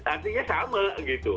artinya sama gitu